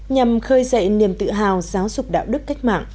nhằm khơi dậy niềm tự hào giáo dục đạo đức cách mạng